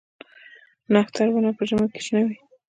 نښتر ونه په ژمي کې شنه وي؟